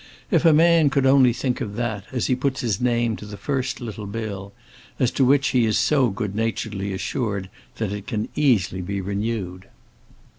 If a man could only think of that, as he puts his name to the first little bill, as to which he is so good naturedly assured that it can easily be renewed!